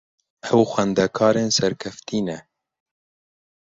Ew xwendekarên serkeftî ne.